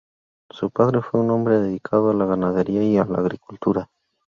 Su padre fue un hombre dedicado a la ganadería y la agricultura.